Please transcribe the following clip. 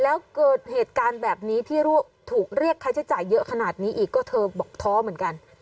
แล้วเกิดเหตุการณ์แบบนี้ที่ถูกเรียกค่าใช้จ่ายเยอะขนาดนี้อีกก็เธอบอกท้อเหมือนกัน